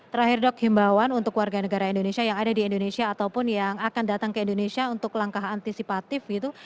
terakhir dok himbawan untuk warga negara indonesia yang ada di indonesia ataupun yang akan datang ke indonesia untuk langkah antisipatif gitu